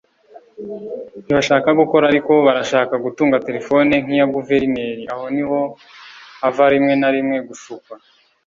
ntibashaka gukora ariko barashaka gutunga telefone nk’iya Guverineri (…) aho niho hava rimwe na rimwe gushukwa